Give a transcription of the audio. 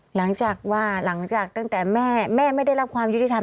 หลังจากว่าหลังจากตั้งแต่แม่แม่ไม่ได้รับความยุติธรรม